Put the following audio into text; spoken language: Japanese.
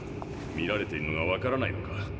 見られてるのがわからないのか。